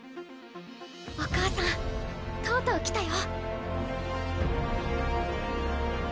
お母さんとうとう来たよ。